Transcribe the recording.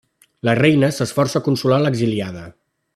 La reina s'esforça a consolar l'exiliada.